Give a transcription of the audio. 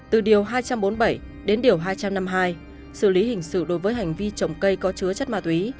từ điều hai trăm bốn mươi bảy đến điều hai trăm năm mươi hai xử lý hình sự đối với hành vi trồng cây có chứa chất ma túy